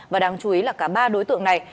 và đáng chú ý là cả ba đối tượng này